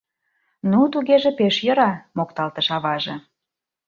— Ну, тугеже пеш йӧра, — мокталтыш аваже.